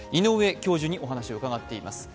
教授にお話を伺っています。